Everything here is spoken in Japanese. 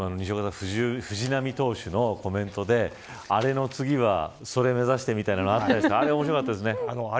藤浪投手のコメントでアレの次はソレ目指してみたいなのがあってあれも面白かったですね。